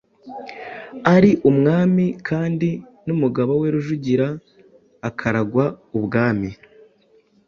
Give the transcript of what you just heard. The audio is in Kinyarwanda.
ari umwami, kandi n'umugabo we Rujugira akaragwa ubwami.